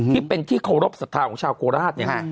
ที่เป็นที่เคารพสัตว์ของชาวโกราช